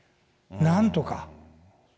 なんとか。